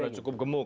sudah cukup gemuk